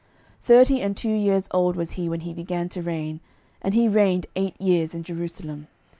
12:008:017 Thirty and two years old was he when he began to reign; and he reigned eight years in Jerusalem.